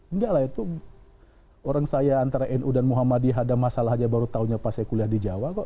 enggak lah itu orang saya antara nu dan muhammadiyah ada masalah aja baru taunya pas saya kuliah di jawa kok